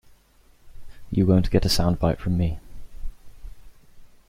You won’t get a soundbite from me.